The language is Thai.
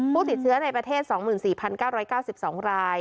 ผู้ติดเชื้อในประเทศ๒๔๙๙๒ราย